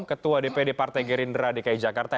ketua dpd partai gerindra dki jakarta